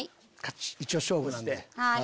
一応勝負なんで。